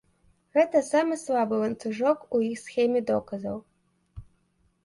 Гэта самы слабы ланцужок у іх схеме доказаў.